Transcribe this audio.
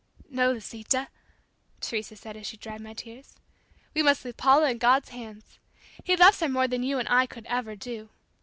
"No, Lisita," Teresa said as she dried my tears; "We must leave Paula in God's hands. He loves her more than you and I could ever do.